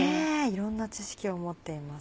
いろんな知識を持っています。